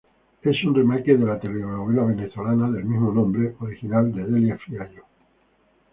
Es un remake de la telenovela venezolana del "mismo nombre", original de Delia Fiallo.